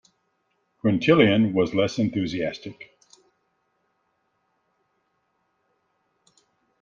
Quintilian was less enthusiastic.